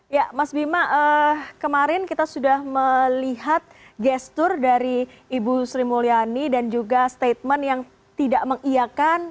ya mas bima kemarin kita sudah melihat gestur dari ibu sri mulyani dan juga statement yang tidak mengiakan